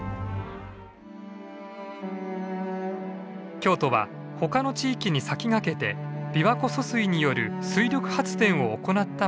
京都は他の地域に先駆けて琵琶湖疎水による水力発電を行った町でもあります。